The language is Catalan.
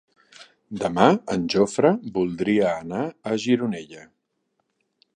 Demà en Jofre voldria anar a Gironella.